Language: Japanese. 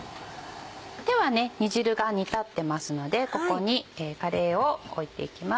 では煮汁が煮立ってますのでここにかれいを置いていきます。